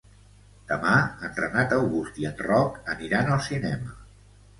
Demà en Renat August i en Roc aniran al cinema.